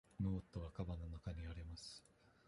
ノートはかばんの中にあります。